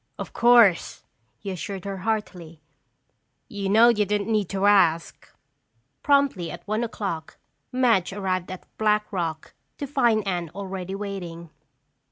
"Of course," he assured her heartily. "You know you didn't need to ask." Promptly at one o'clock Madge arrived at Black Rock to find Anne already waiting.